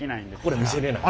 これ見せれない？